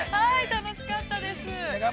◆楽しかったです。